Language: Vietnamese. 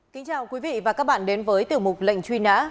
kính chào quý vị và các bạn đến với tiểu mục lệnh truy nã